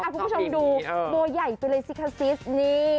คุณผู้ชมดูโบย่ายไปเลยสิคะซิสนี่